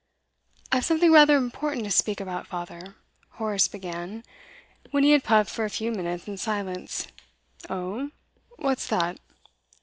'I've something rather important to speak about, father,' Horace began, when he had puffed for a few minutes in silence. 'Oh? What's that?